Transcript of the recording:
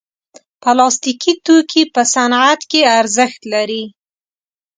پلاستيکي توکي په صنعت کې ارزښت لري.